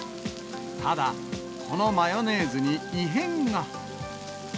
ただ、このマヨネーズに異変が。